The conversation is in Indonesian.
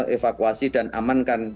evakuasi dan amankan